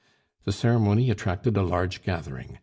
The ceremony attracted a large gathering.